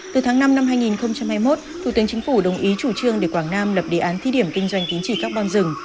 từ tháng năm năm hai nghìn hai mươi một thủ tướng chính phủ đồng ý chủ trương để quảng nam lập đề án thí điểm kinh doanh tính trị carbon rừng